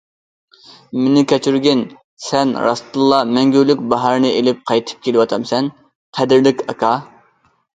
مېنى كەچۈرگىن، سەن راستتىنلا مەڭگۈلۈك باھارنى ئېلىپ قايتىپ كېلىۋاتامسەن، قەدىرلىك ئاكا!